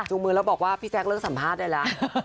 มือแล้วบอกว่าพี่แจ๊คเริ่มสัมภาษณ์ได้แล้ว